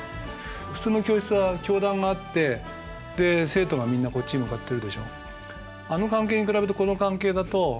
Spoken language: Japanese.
普通の教室は教壇があってで生徒がみんなこっちに向かってるでしょ。